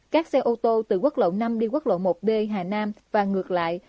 các xe ô tô từ quốc lộ năm đi quốc lộ một d hà nam và ngược lại